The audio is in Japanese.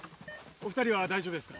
お二人は大丈夫ですか？